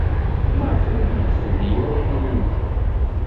Maɣef ur iyi-d-tenni ara Taninna?